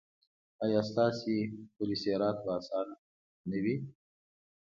ایا ستاسو پل صراط به اسانه نه وي؟